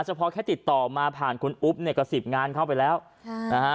พอแค่ติดต่อมาผ่านคุณอุ๊บเนี่ยก็สิบงานเข้าไปแล้วค่ะนะฮะ